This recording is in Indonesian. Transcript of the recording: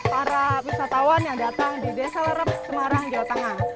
para wisatawan yang datang di desa lerep semarang jawa tengah